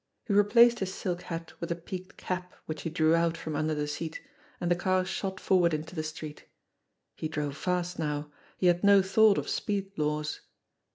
He replaced his silk hat with a peaked cap which he drew out from under the seat and the car shot forward into the street. He drove fast now. He had no thought of speed laws.